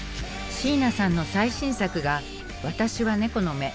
椎名さんの最新作が「私は猫の目」。